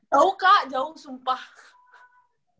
tau kak jauh sumpah